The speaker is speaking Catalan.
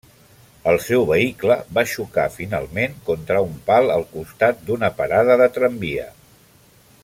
El seu vehicle va xocar finalment contra un pal al costat d'una parada de tramvia.